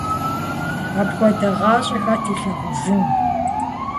Апхуэдэ гъащӀэ хэт илъагъужын…